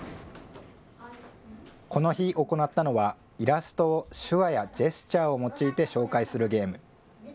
この日、行ったのは、イラストを手話やジェスチャーを用いて紹介するゲーム。